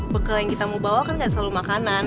bekel yang kita mau bawa kan tidak selalu makanan